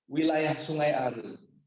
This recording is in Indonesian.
wilayah sungai adu